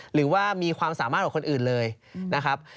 หรือว่ามีความสามารถกว่าคนอื่นเลยนะครับ